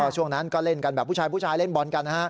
ช่วงนั้นก็เล่นกันแบบผู้ชายเล่นบอลกัน